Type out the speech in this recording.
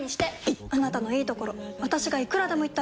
いっあなたのいいところ私がいくらでも言ってあげる！